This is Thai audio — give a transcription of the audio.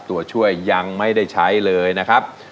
ตัวช่วยยังไม่ได้ใช้เลยนะครับ